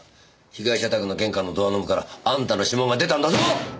被害者宅の玄関のドアノブからあんたの指紋が出たんだぞ！